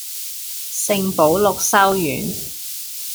聖保祿修院